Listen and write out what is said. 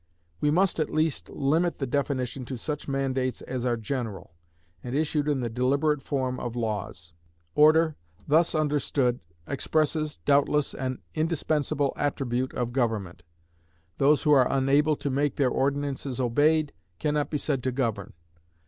We must at least limit the definition to such mandates as are general, and issued in the deliberate form of laws. Order, thus understood, expresses, doubtless, an indispensable attribute of government. Those who are unable to make their ordinances obeyed, can not be said to govern.